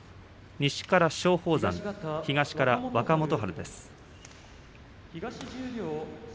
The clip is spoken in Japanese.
西からは松鳳山東から若元春です。